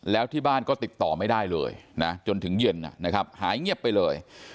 แล้วที่บ้านก็ติดต่อไม่ได้เลยนะจนถึงเย็นนะครับหายเงียบไปเลย